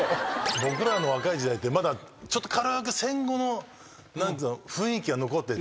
僕らの若い時代ってまだちょっと軽く戦後の何ていうんだろう雰囲気が残ってて。